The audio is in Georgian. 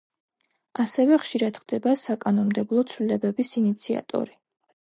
ასევე ხშირად ხდება საკანონმდებლო ცვლილებების ინიციატორი.